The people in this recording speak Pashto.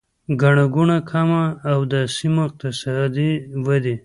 ګڼه ګوڼه کمه او د سیمو اقتصادي ودې